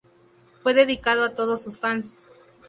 Fue dedicado a todos sus fans.